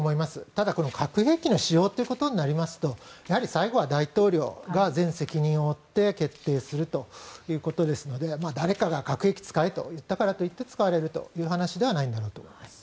ただ、核兵器の使用ということになりますと最後は大統領が全責任を負って決定するということですので誰かが核兵器を使えと言ったからといって使われるという話ではないんだろうと思います。